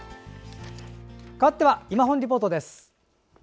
かわっては「いまほんリポート」です。